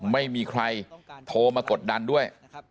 ไม่มีใครโทรมากดดันด้วย